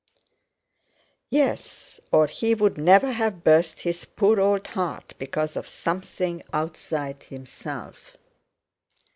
"Yes, or he would never have burst his poor old heart because of something outside himself."